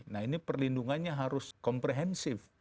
nah ini perlindungannya harus komprehensif